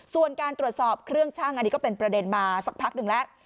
ส่วนการตรวจสอบเครื่องชั่งอันนี้ก็เป็นประเด็นมาสักพักหนึ่งแล้ว